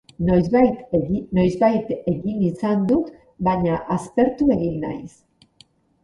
Noizbait egin izan dut, baina aspertu egiten naiz.